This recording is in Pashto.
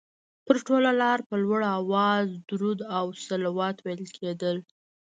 پر ټوله لاره په لوړ اواز درود او صلوات ویل کېده.